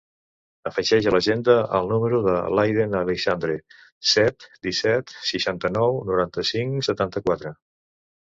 Afegeix a l'agenda el número de l'Aiden Aleixandre: set, disset, seixanta-nou, noranta-cinc, setanta-quatre.